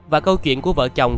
và câu chuyện của vợ chồng